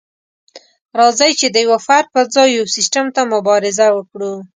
راځئ چې د يوه فرد پر ځای يو سيستم ته مبارزه وکړو.